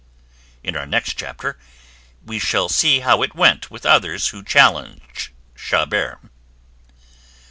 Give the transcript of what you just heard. In our next chapter we shall see how it went with others who challenged Chabert.